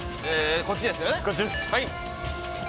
こっちです。